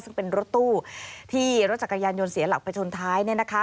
ซึ่งเป็นรถตู้ที่รถจักรยานยนต์เสียหลักไปชนท้าย